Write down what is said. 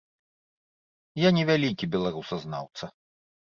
Я не вялікі беларусазнаўца.